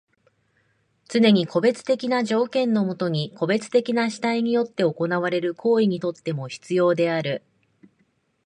つねに個別的な条件のもとに個別的な主体によって行われる行為にとっても必要である。